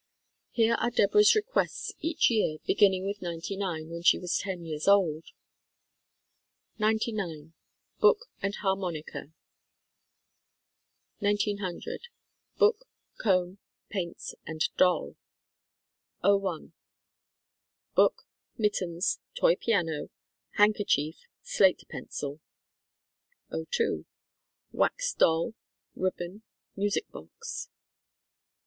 Here are Deborah's requests each year, beginning with '99, when she was ten years old : "'99. Book and harmonica. 'oo. Book, comb, paints, and doll. 'oi. Book, mittens, toy piano, handkerchief, slate pencil. '02. Wax doll, ribbon, music box.